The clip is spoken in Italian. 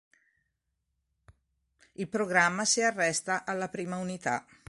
Il programma si arresta alla prima unità.